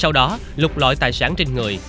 sau đó lục lội tài sản trên người